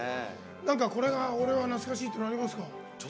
これが俺は懐かしいというのありますか？